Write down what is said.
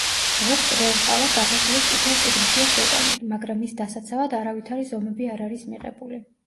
დღეს ჭრელტყავა საქართველოს წითელ წიგნშია შეტანილი, მაგრამ მის დასაცავად არავითარი ზომები არ არის მიღებული.